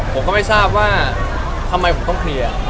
ผมก็ไม่ทราบว่าทำไมผมต้องเคลียร์